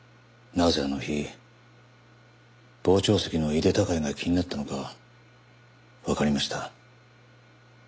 なぜあの日傍聴席の井手孝也が気になったのかわかりました。